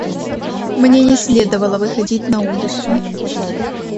Мне не следовало выходить на улицу.